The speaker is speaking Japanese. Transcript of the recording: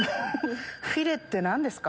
フィレって何ですか？